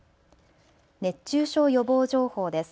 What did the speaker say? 熱中症予防情報です。